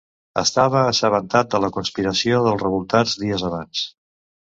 Estava assabentat de la conspiració dels revoltats dies abans.